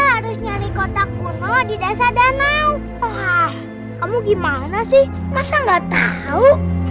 harus nyari kotak kuno di desa danau wah kamu gimana sih masa nggak tahu